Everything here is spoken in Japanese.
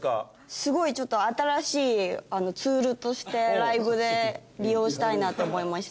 すごいちょっと新しいツールとしてライブで利用したいなと思いました。